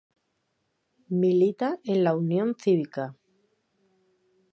Milita en la Unión Cívica.